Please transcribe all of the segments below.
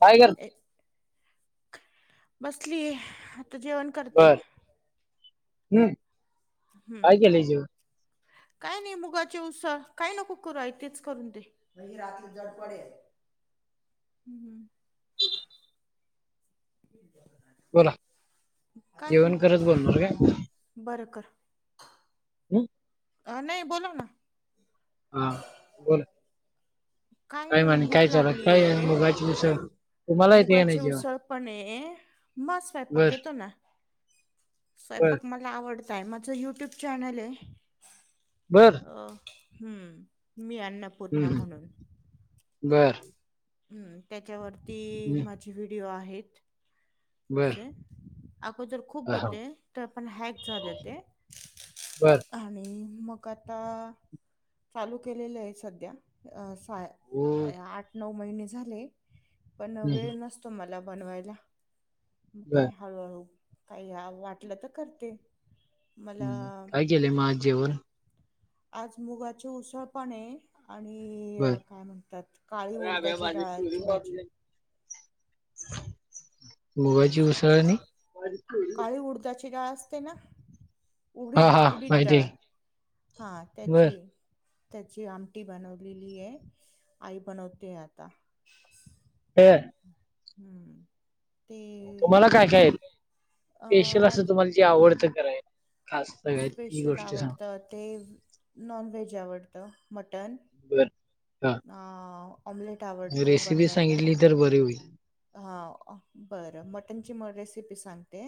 काय कर बसली आता जेवण करते. हम् काय हम्म केलय जेवण? काय नाय मुगाची उसळ काय नको करु आई तेच करून दे. [inaudible] हम्म हं [inaudible] बोला काय जेवण करत नाही बोलणार काय? बरं कर [inaudible] अ नाई बोला ना हा बोला काय नाही म्हणे काय भूक चालु ये काय लागलीये. मुगाची उसळ तुम्हाला येते का नाही मुगाची जेवण उसळ पण ये मग स्वयपाक बर येतो ना. बर स्वयंपाक मला आवड टायमाच युट्यूब चॅनल ये बर अ हम् मी अन्नपूर्णा म्हणून बरं हम्म त्याच्यावरती माझे व्हिडिओ आहेत. बर असे अगोदर खुप अहो. होते. तर पण हॅक झाले ते बर आणि मग आता चालू केलेले आहे सध्या अ पाय ओ आठ नऊ महिने झाले पण वेळ हम्म. नसतो मला बनवायला मग बर काय हळूहळू काही वाटलं त करते. मला हम्म काय केलय मग आज जेवण? आज मुगाच उसळ पण ये. आणि बर काय म्हणतात काळी उडदाची डाळाची भाजी. मुगाची असं उसळ आणि काळी उडदाची डाळ असते ना हा उडीद हा उडीद माहिती डाळ आहे. हा बर त्याची त्याची आमटी बनवलेली ये आई बनवते आता हे हम्म ते तुम्हाला काय काय येतय अ स्पेशल असं मला तुम्हाला जे आवडतं कराय स्पेशल आवडतं ते नॉनव्हेज आवडतं मटण बरं ना रेसिपी सांगितली तर बरी होईल. हा बरं मटनची म रेसिपी सांगते.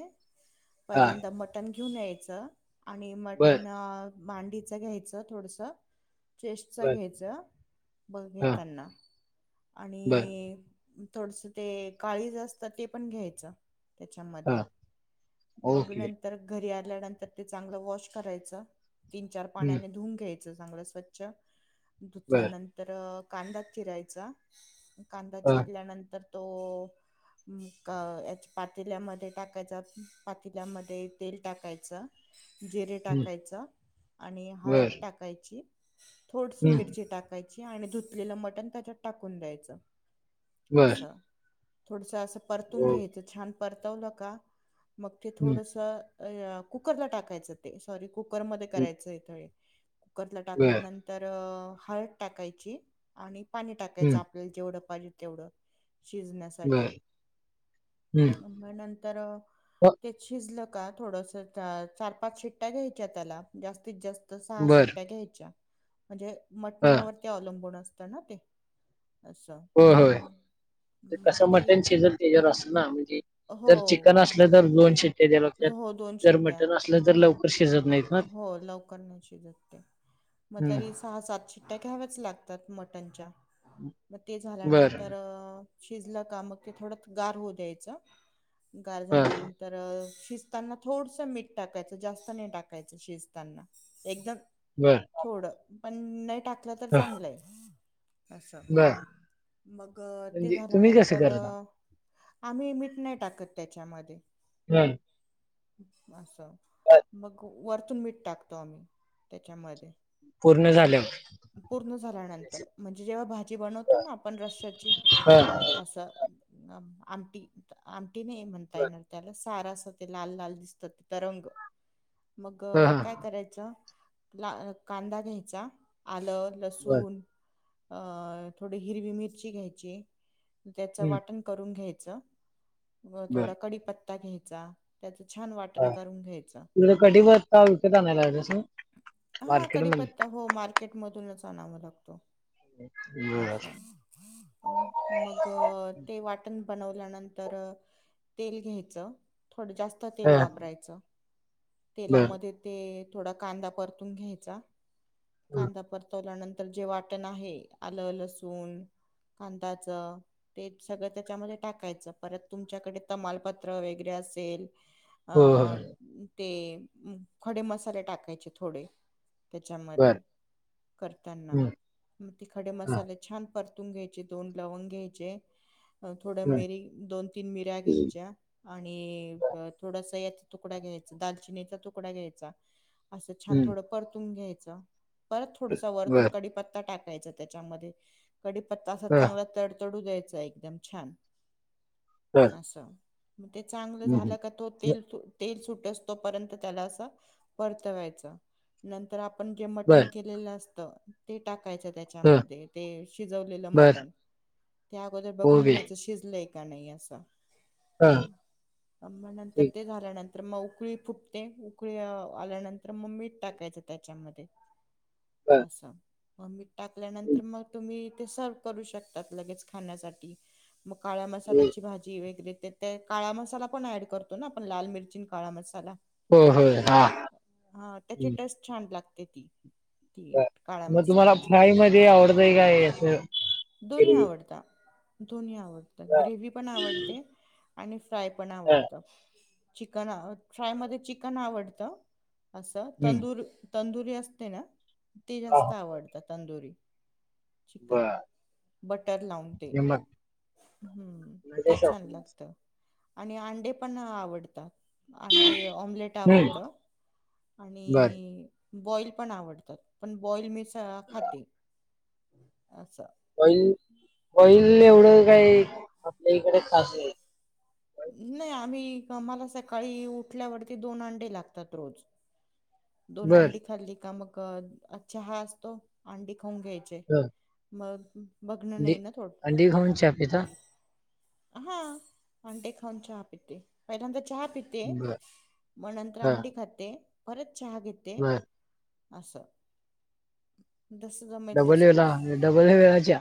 हा पहिल्यांदा मटण घेऊन यायचं आणि बर मटण आ मांडीचं घ्यायचं. थोडस चेस्टच बर घ्यायचं ब हा घेतांना आणि बर थोडस ते काळीज असत ते पण घ्यायचं. हा त्याच्यामध्ये मग ओके नंतर घरी आ ल्यानंतर ते चांगलं वॉश करायच तीन चार हम्म पाण्याने धुऊन घ्याय चं चांगल स्वच्छ बर धुतल्यानंतर कांदा चिरायचा कांदा हा चिरल्यानंतर तो [inaudible] म क या च्या पातील्यामध्ये टाकायचे पातील्यामध्ये तेल टाकायच जिरे हम्म टाकायच आणि बर हळद टाकायची थोडीशी हम्म मिरची टाकायची छ आणि धुतलेले मटन त्याच्यात टाकून द्यायच अस बर थोडस अस परतून ओके घ्यायचं छान परतवलं का मग ते हम्म थोडस अ कुकरला टाकायचं ते सॉरी कुकरमध्ये हम्म, करायचं इथे हे कुकरला बर टाकल्यानंतर हळद टाकायची आणि पाणी टाकायच हम्म आपल्याला जेवढं - पाहिजे तेवढं शिजण्यासाठी बर हम्म म नंतर हो, त्यात शिजलं का थोडस चार पाच शिट्ट्या घ्यायच्या त्याला जास्तीत जास्त सहा बर शिट्ट्या घ्यायच्या म्हणजे हा मटणावरती अवलंबून असत ना ते असं होय होय. ते कसं मटण शिजल त्याज्या वर असल ना म्हणजे हो जर चिकन असलं तर दोन शिट्टया द्याव्या लागत्यात हो दोन जर शिट्ट्या मटन असलं तर लव - हो लवकर नाही शिजत ते मग हम्म तरी सहा सात शिट्ट्या घ्याव्याच लागतात मटनच्या मग ते बर झाल्यानंतर - शिजलं का मग ते थोड गार होऊ द्यायचं गार हा झाल्यानंतर शिजताना थोडसं मीठ टाकायचं जास्त नाही टाकायचं शिजताना एकदम बर थोड पण नाही टाकलं तर हा चांगलंय असं बर मग ते म्हणजे तुम्ही कसं झाल्यानंतर करता? - आम्ही मीठ नाही टाकत त्याच्यामध्ये हम्म असं मग वरतून मीठ टाकतो आम्ही त्याच्यामध्ये पूर्ण झाल्यावर पूर्ण झाल्यानंतर म्हणजे जेव्हा भाजी बनवतो ना आपण रश्याची हा असं आम आमटी आमटी नाही म्हणता बर येणार त्याला स सार अस ते लाल लाल दिसत तरंग मग हा हा काय करायचं - ला कांदा घ्यायचा आलं बर लसूण अ थोडी हिरवी मिरची घ्यायची त्याचं हम्म. वाटण करून घ्याय च व थोडा बर कढीपत्ता घ्यायचा त्याच छान वाटण करून घ्यायचं काय विकत आणाय लाग असलं हा कढीपत्ता हो मार्केट मधूनच आणावं लागतो अस बर मग ते वाटण - बनवल्यानंतर तेल घ्यायचं थोडं जास्त तेल हा वापरायचं बर तेलामध्ये ते थोडा कांदा परतून घ्यायचा हं. कांदा परतवल्यानंतर जे वाटण आहे आलं लसून कांदाच ते सगळं त्याच्यामध्ये टाकायचं परत तुमच्याकडे तमालपत्र वगैरे असेल अ हो हो ते खडे मसाले टाकायचे थोडे त्याच्यामध्ये बर करताना हं. मग त खडे हा. मसाले छान परत - परतून घ्यायचे दोन लवंग घ्यायचे - थोड बर. मिरी दोन तीन मिऱ्या घ्यायच्या आणि ब थोडसा यात तुकडा घ्यायचा दालचिनीचा तुकडा घ्यायचा अस छान हं. तुन घ्याय परत थोडस वरतून बर कडीपत्ता टाकायचा त्याच्यामध्ये कढी पत्ता असा हा. चांगला तडतडू द्यायच एकदम छान बर अस मग ते चांगलं हं. झालं का तो तेल तेल सुट सुटोसतो पर्यंत त्याला अस परतवायच नंतर आपण जे मटण बर केलेलं अस त ते टाक टकायच हा. त्याच्यामध्ये ते शिजवलेलं बर मटण ते अगोदर बघून ओके घ्यायच शिजलंय का नई अस हा ठीक तर मग उकळी फुटते, उकळी अ आल्यानंतर म मीठ टाकायचं त्याच्यामध्ये. बर असं म मीट हं. टाकल्यानंतर मग तुम्ही ते सर्व्ह करू शकतात लगेच खाण्यासाठी, मग काळ्या हं. मसाल्याची भाजी वगैरे [unintelligible] काळा मसाला पण ऍड करतो ना आपण लाल मिरची काळा मसाला? हो हो, हा. हा त्याची टेस्ट छान लागते ती ती आ काळ्या म तुम्हाला मसाल्याची फ्राय मध्ये आवडतय काय? असं दोन्ही ग्रेव्ही? आवडता, दोन्ही आवडतात हा. ग्रेव्ही पण आवडते आणि फ्राय पण हा. आवडत, चिकन अ फ्राय मध्ये चिकन आवडत. असं हं. तंदुरी तंदुरी असते ना, ती जास्त हा. आवडत तंदुरी. चिकन बर. बटर लावून ते हे मग हम्म ते म्हणजे छान शॉपिंग लागत. आणि अंडे पण आवडतात अंडे ऑम्लेट हं. आवडत बर आणि बॉईल पण आवडतं पण बॉईल मी स खाते असं. बॉईल, बॉईल एवढं काही आपल्या इकडं खास नाही. नाही, आम्ही आम्हाला सकाळी उठल्यावरती दोन अंडे लागतात रोज. दोन बर अंडी खाल्ली का मग अच्छा हा असतो, अंडी खाऊन घ्यायचे ह मग बघणं अंडी, नाही ना थोडं अंडी खाऊन चहा पिता? हा अंडे खाऊन चहा पिते, पहिल्यांदा च चहा पिते, बर म नंतर ह अंडी खाते, परत चहा घेते. बर असं. जसं जमेल डबल वेला डबल वेळा चा?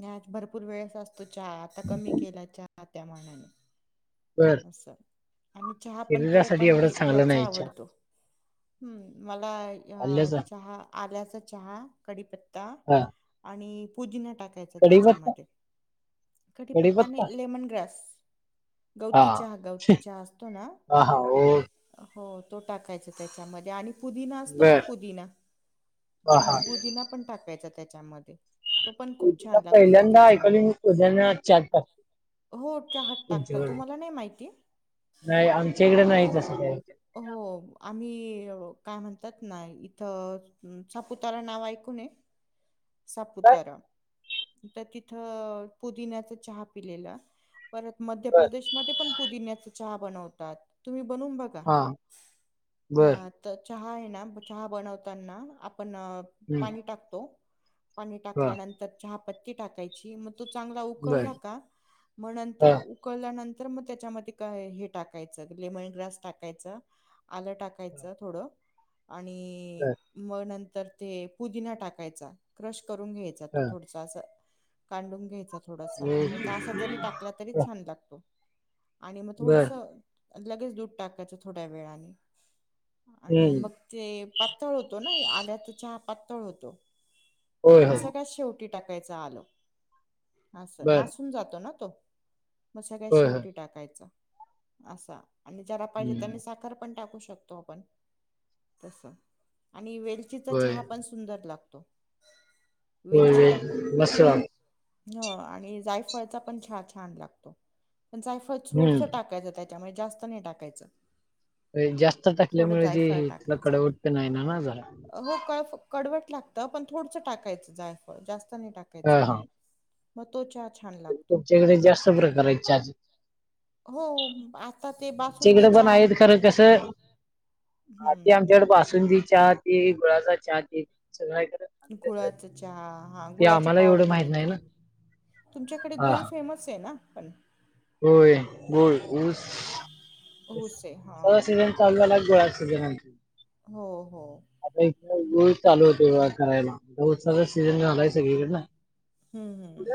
नाही आत भरपूर वेळेस असतो चहा, आता कमी केला चहा त्या मनाने. बर अस आणि चहा पण तो शरीरासाठी पण एवढं चांगलं याचा नाही चहा आवडतो हम्म. मला ह्य आल्याचा चहा आल्याचा चहा कडीप ता हा आणि पुदीना टाकायचा कढीपत्ता त्याच्यामध्ये कडीपत्ता कढीपत्ता नाई लेमन ग्रास. हा गौती चहा, गौती चहा असतो ना? हो. हो तो टाकायचा त्याच्यामध्ये आणि पुदिना असतो ना बर पुदिना? हा हा पुदिना पण टाकायचा त्याच्यामध्ये. तो पण खूप पुदीना छान लागतो त्याचा पहिल्यांदा चहा ऐकालोय मी, पुदीना चहात टाकत हो चहात टाकतात, तुम्हाला नाही माहिती? नाही, आमच्या इकड नाही तसं काय. णि अ काय म्हणतात ना, इथं [unintelligible] नाव ऐकून ये? काय सापुतारा त तिथं पुदिन्याचा चहा पिलेला परत बर मध्यप्रदेश मध्ये पण पुदिन्याच चहा बनवतात, तुम्ही बनुन बगा हा बर ना त चहा हाय ना, चहा बनवताना आप पण हम्म पाणी टाकतो पाणी बर टाकल्यानंतर चहा पत्ती टाकायची मग - चांगला बर उकळला का, मन ह नंतर उकळल्यानंत - तर मग त्याच्यामध्ये काय हे टाकायचं. लेमन ग्रास टाकायचं, आलं टाकायचं. थोडं आणि मग नंतर ते पुदिना टाकायचा क्रश - करून घ्यायचा तो, ह थोडासा असा कांडून घ्यायचा. थोडसा, नाहीतर असा जरी टाकला तरी ह छान लागतो. आणि मग बर. थोडसं, लगेच दूध टाकायचं थोड्या वेळानी. आणि हं. मग ते पातळ होतो ना, आल्याचा चहा पातळ होतो. होय, पण होय. सगळ्यात शेवटी टाकायच आलं. असं, बर. नासून जातो ना. मग सगळ्यात होय, होय. शेवटी टाकायचा, असा. आणि ज्याला पाहिजे त्यांनी हं. साखर पण टाकू शकतो आपण, तसं आणि वेलचीचा होय. चहा पण, सुंदर लागतो. हो, वेलची ये टाकून बसाव - हो आणि जायफळचा पण चहा छान लागतो, पण जायफळ हं. थोडंसं टाकायचं त्यात. त्यामुळे जास्त नाही टाकायचं. जास्त थोडं टाकल्यामुळे, जे जायफळ इथल टाकायचं. कडवट तर नाही ना झाला. हो कळफ कडवट लागतं पण थोडंसं टाकायचं जायफळ, जास्त नाही टाकायचं. हां, हां. मग तो चहा - तुमच्याकडे, जास्त प्रकार आहेत चहाचे. हो आ - तिकडं पण आहेत खरं कसं, आधी हम्म आमच्याकडं बासुंदी चहा पीत, गुळाचा चहा पीत सगळ इथ - गुळाचा चहा- हा गुळाची आम्हाला एवढं पावडर माहित नाही मिळते. ना. तुमच्याकडे हां, गुळ हां. फेमस हे ना? पण. होय, गोड ऊस - ऊस, आहे हा होय सीझन चालू झालाय, गुळाचा सीझन आमचा. हो हो आता इथं गूळ चालू होतोय बघा करायला. ऊसाचा सीझन झालाय सगळीकडे ना. हूं हूं.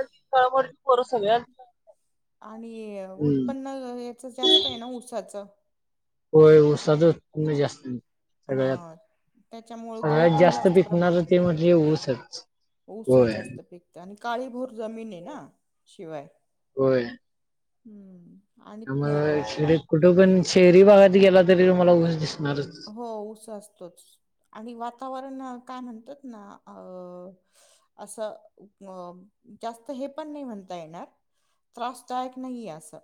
बरं सगळ्याना, आणि य उत्पन्न अ याचं जास्त आहे ना ऊसाच. होय, उसाचं उत्पन्न जास्त हे. आय त्याच्यामुळं गुळ सगळ्यात पण जास्त पिकणारं प्रमाणात ते होतो. म्हणजे ऊसच ऊसचं होय जास्त पिकतं आणि- काळीभोर जमीन हे ना शिवाय - हूं. मग शहरीत कुठे पण शहरी भागात गेला तरी तुम्हाला ऊस दिस हो ऊस असतोच आणि वातावरण न- काय म्हणतात ना, अं असं, म जास्त हे पण नाही म्हण- ता येणार, त्रासदायक नाही असं.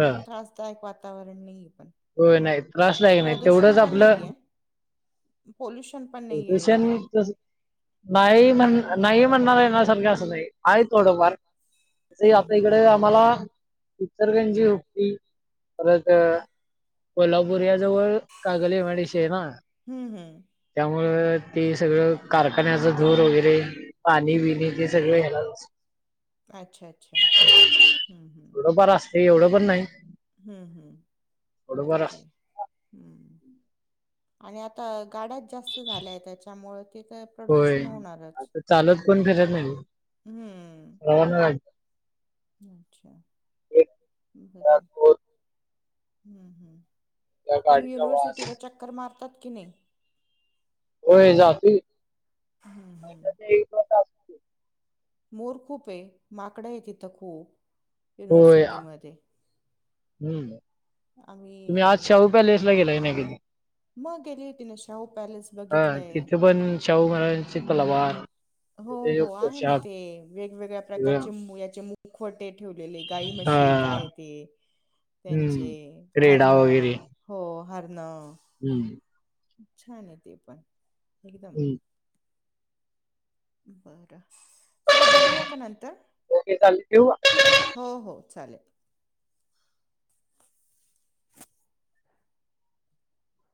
हा त्रासदायक वातावरण नहीये. होय नाही त्रासदायक नाही, तेवढंच पण आपलं- नाहीये पोल्युशन पण नाहीये एवढं जसण तसं नाही म्हण - नाही म्हणणार येण्यासारखं असं नाही. आहे थोडंफार, तसंही हम्म आता हम्म इकडे आम्हाला - इचलकरंजी हुबळी परत अ - कोल्हापूर या जवळ Kagal M I D C हे ना. हूं हूं. मग ती सगळं, कारखान्याचं धुर वगैरे पाणी बिणी ते सगळं येणारच न. अच्छा अच्छा, हू हू. ते, एवढं पण नाही. हुं हुं थोडंफार ओके असते हुं. आणि आता गाड्या त - जास्त झालाय त्याच्यामुळे ते काय होय प्रदूषण होणारच. आता चालत कोण फिरत नाही हम्म. सर्वांना लागते. अच्छा, एक बर घरात दोन, हम्म हम्म. त्या तुम्ही गाडीचा वास युनिव्हर्सिटीला चक्कर मारतात की नाई? होय जातोय हम्म. [unintelligible] मोर खूपये, माकड आहे तिथं खूप, होय युनिव्हर्सिटीमध्ये. हम्म. तुम्ही आज आम्ही शाहू पॅलेस ला गेलाय काय नाई कधी? मग गेली होती ना, शाहू पॅलेस हा. बघितलंय तिथे पण शाहू महाराजांची तलवार हो त्याचे हो आहे ना पोशाख ते वेगवेगळ्या सगळं प्रकारचे याचे मुखवट े ठेवलेले गाई हा म्हशी काय ते त्यांचे हम्म रेडा हरण वगैरे हो हर हम्म. छान आहे ते पण एकदम हम्म. बरं. चला बोलूया का नंतर ओके चालेल ठेवू का हो हो चालेल.